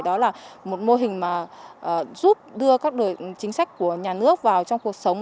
đó là một mô hình mà giúp đưa các chính sách của nhà nước vào trong cuộc sống